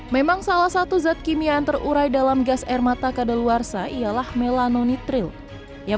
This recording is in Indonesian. memang salah satu zat kimia yang terurai dalam gas air mata kadaluarsa ialah melanonitril yang